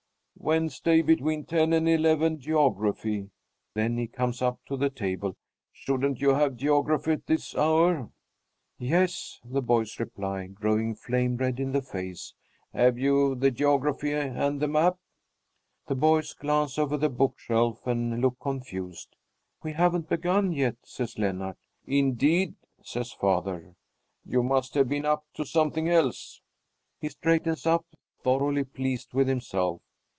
"Wednesday, between ten and eleven, Geography." Then he comes up to the table. "Shouldn't you have geography at this hour?" "Yes," the boys reply, growing flame red in the face. "Have you the geography and the map?" The boys glance over at the book shelf and look confused. "We haven't begun yet," says Lennart. "Indeed!" says father. "You must have been up to something else." He straightens up, thoroughly pleased with himself.